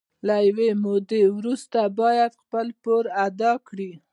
له یوې مودې وروسته باید خپل پور ادا کړي